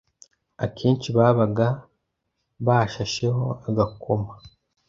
akenshi babaga bashasheho agakoma.